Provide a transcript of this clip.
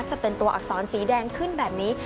จะเป็นตัวอักษรสีแดงขึ้นแบบนี้